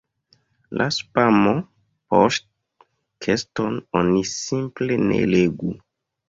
La "spamo-"poŝtkeston oni simple ne legu.